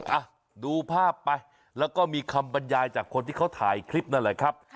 อ่ะดูภาพไปแล้วก็มีคำบรรยายจากคนที่เขาถ่ายคลิปนั่นแหละครับ